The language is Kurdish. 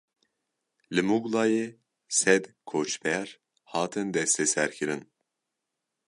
Li Muglayê sed koçber hatin desteserkirin.